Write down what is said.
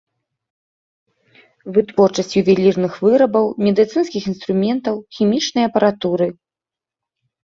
Вытворчасць ювелірных вырабаў, медыцынскіх інструментаў, хімічнай апаратуры.